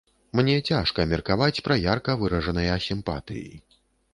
Мне цяжка меркаваць пра ярка выражаныя сімпатыі.